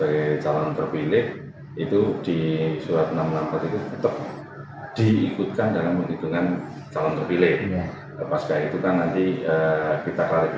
gede kpp netiknya partai kan magamah